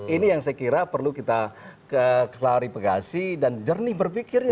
ini yang saya kira perlu kita klarifikasi dan jernih berpikirnya